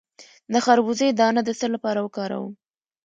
د خربوزې دانه د څه لپاره وکاروم؟